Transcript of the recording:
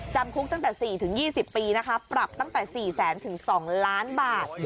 จำคุกตั้งแต่สี่ถึงยี่สิบปีนะคะปรับตั้งแต่สี่แสนถึงสองล้านบาท